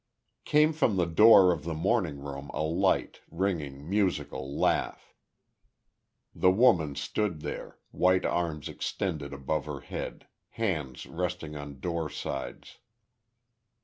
Came from the door of the morning room a light, ringing, musical laugh. The woman stood there, white arms extended above her head, hands resting on door sides.